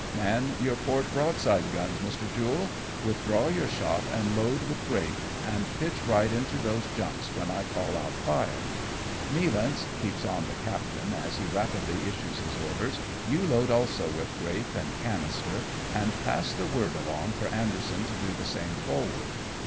" Man your port broadside guns, Mr. Jule, withdraw your shot and load with grape, and pitch right into these junks when I call out 'fire.' Nealance/' keeps on the captain, as he rapidly issues his orders, " you load also with grape and cannister, and pass the word along for Anderson to do the same forward.